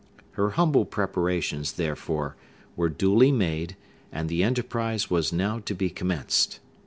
Her humble preparations, therefore, were duly made, and the enterprise was now to be commenced.